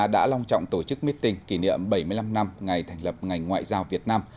đã long trọng tổ chức meeting kỷ niệm bảy mươi năm năm ngày thành lập ngành ngoại giao việt nam